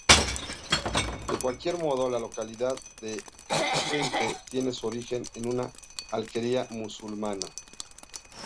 De cualquier modo, la localidad de Carcagente tiene su origen en una alquería musulmana.